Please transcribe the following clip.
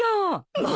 まあ。